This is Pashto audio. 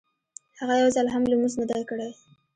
هغه يو ځل هم لمونځ نه دی کړی.